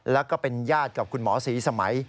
แล้วก็เป็นญาติกับคุณหมอศรีสมัย